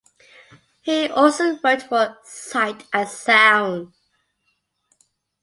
He also wrote for "Sight and Sound".